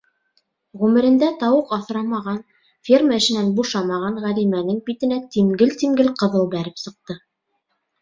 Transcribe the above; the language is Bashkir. Ғүмерендә тауыҡ аҫрамаған, ферма эшенән бушамаған Ғәлимәнең битенә тимгел-тимгел ҡыҙыл бәреп сыҡты: